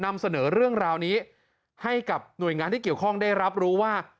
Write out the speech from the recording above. นำเสนอเรื่องราวนี้ให้กับหน่วยงานที่เกี่ยวข้องได้รับรู้ว่า